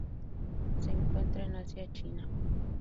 Se encuentra en Asia: China.